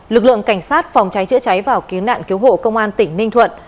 lực lượng cảnh sát phòng cháy chữa cháy và cứu nạn cứu hộ công an tỉnh ninh thuận